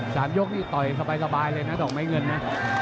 สามยกนี่ต่อยสบายเลยนะดอกไม้เงินนะ